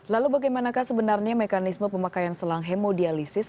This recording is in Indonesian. lalu bagaimanakah sebenarnya mekanisme pemakaian selang hemodialisis